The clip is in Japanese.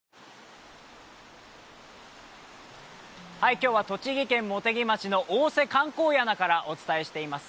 今日は栃木県茂木町の大瀬観光やなからお伝えしています。